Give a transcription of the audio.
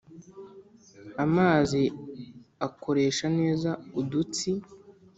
amazi akoresha neza udutsi